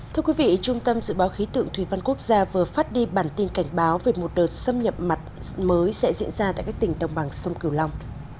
thưa quý vị trung tâm dự báo khí tượng thủy văn quốc gia vừa phát đi bản tin cảnh báo về một đợt xâm nhập mặn mới sẽ diễn ra tại các tỉnh đồng bằng sông cửu long